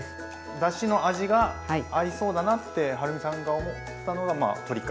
だしの味が合いそうだなってはるみさんが思ったのがまあ鶏か。